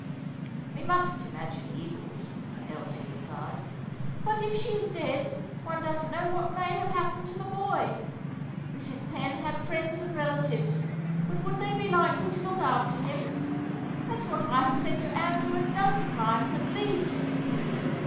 "We mustn't imagine evils," Elsie replied. "But if she is dead, one doesn't know what may have happened to the boy! Mrs. Penn had friends and relatives, but would they be likely to look after him? That's what I have said to Andrew a dozen times at least."